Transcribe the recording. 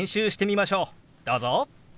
どうぞ！